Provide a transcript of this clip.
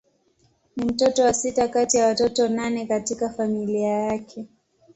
Ni mtoto wa sita kati ya watoto nane katika familia yake.